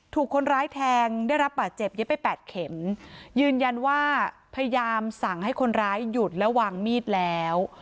ถูกคนร้ายแทงได้รับบาดเจ็บเย็บไปแปดเข็มยืนยันว่าพยายามสั่งให้คนร้ายหยุดและวางมีดแล้ว